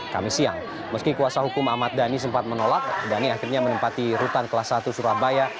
kami siang meski kuasa hukum ahmad dhani sempat menolak dhani akhirnya menempati rutan kelas satu surabaya